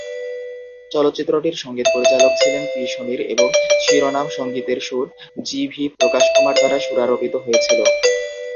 চলচ্চিত্রটির সঙ্গীত পরিচালক ছিলেন পি সমীর এবং শিরোনাম সঙ্গীতের সুর জি ভি প্রকাশ কুমার দ্বারা সুরারোপিত হয়েছিলো।